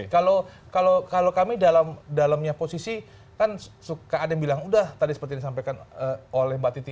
kalau kami dalamnya posisi kan suka ada yang bilang udah tadi seperti disampaikan oleh mbak titi